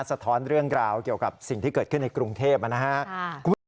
สะท้อนเรื่องราวเกี่ยวกับสิ่งที่เกิดขึ้นในกรุงเทพนะครับ